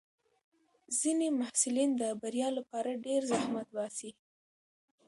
ځینې محصلین د بریا لپاره ډېر زحمت باسي.